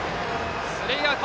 スリーアウト！